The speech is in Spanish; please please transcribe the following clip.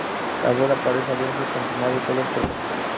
La boda parece haberse consumado sólo por conveniencia.